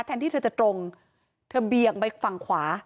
ที่เธอจะตรงเธอเบียงไปฝั่งขวา